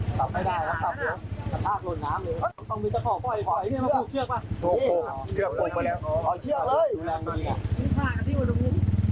โอ้โฮโดนทางวิ่งให้เก็บเลยโดนทาง